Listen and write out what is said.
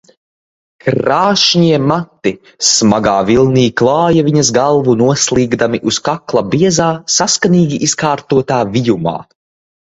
Krāšņie mati smagā vilnī klāja viņas galvu, noslīgdami uz kakla biezā, saskanīgi izkārtotā vijumā.